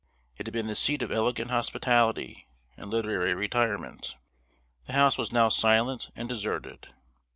It had been the seat of elegant hospitality and literary retirement. The house was now silent and deserted.